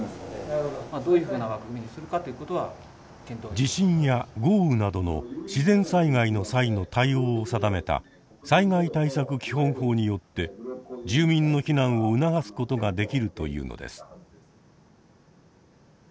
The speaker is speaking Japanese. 地震や豪雨などの自然災害の際の対応を定めた災害対策基本法によって住民の避難を促すことができるというのです。